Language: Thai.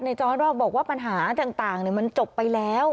จอร์ดบอกว่าปัญหาต่างมันจบไปแล้ว